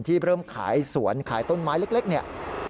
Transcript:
เริ่มขายสวนขายต้นไม้เล็กเนี่ย